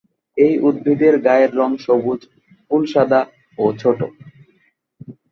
এই উদ্ভিদের গায়ের রং সবুজ, ফুল সাদা ও ছোট।